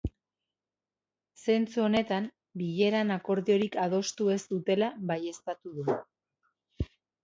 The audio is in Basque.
Zentzu honetan, bileran akordiorik adostu ez dutela baieztatu du.